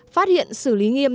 phát hiện xử lý nghiêm